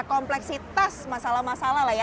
kompleksitas masalah masalah lah ya